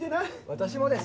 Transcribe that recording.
私もです！